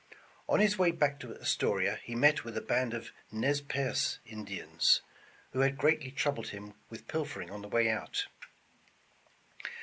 On his way back to Astoria ho met with a band of Nez Perces Indians, who had greatly troubled him with pilfering on the way out.